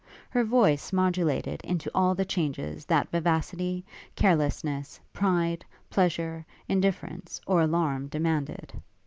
Her voice modulated into all the changes that vivacity, carelesness, pride, pleasure, indifference, or alarm demanded.